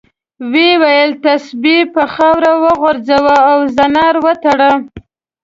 وویل تسبیح په خاورو وغورځوه او زنار وتړه.